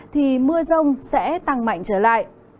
thì mưa rông sẽ tăng mạnh trở lại